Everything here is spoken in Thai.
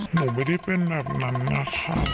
หนูไม่ได้เป็นแบบนั้นนะคะ